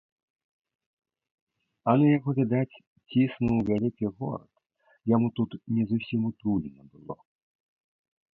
А на яго, відаць, ціснуў вялікі горад, яму тут не зусім утульна было.